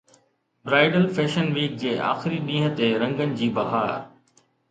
bridal fashion week جي آخري ڏينهن تي رنگن جي بهار